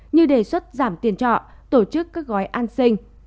như đề xuất giảm tiền trọ tổ chức các gói an sinh